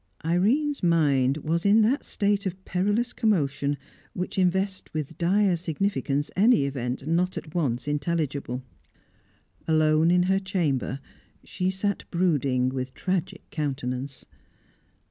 Irene's mind was in that state of perilous commotion which invests with dire significance any event not at once intelligible. Alone in her chamber, she sat brooding with tragic countenance.